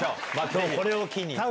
今日これを機に。